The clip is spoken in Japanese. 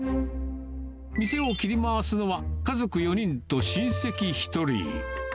店を切り回すのは、家族４人と親戚１人。